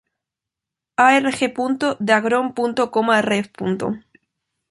Arg. de Agron., Rev.